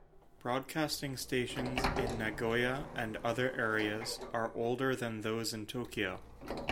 Broadcasting stations in Nagoya and other areas are older than those in Tokyo.